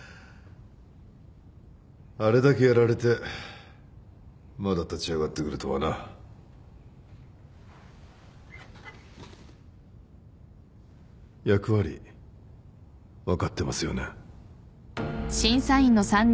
あれだけやられてまだ立ち上がってくるとはな。役割分かってますよね？